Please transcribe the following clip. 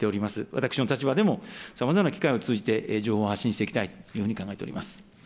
私の立場でも、さまざまな機会を通じて情報を発信していきたいというふうに考えております。